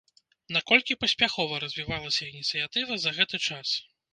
Наколькі паспяхова развівалася ініцыятыва за гэты час?